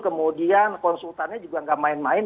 kemudian konsultannya juga gak main main